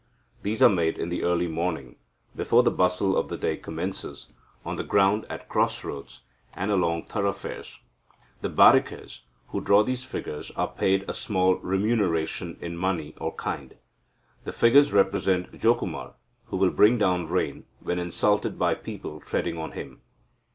These are made in the early morning, before the bustle of the day commences, on the ground at cross roads, and along thoroughfares. The Barikes, who draw these figures, are paid a small remuneration in money or kind. The figures represent Jokumara, who will bring down rain, when insulted by people treading on him.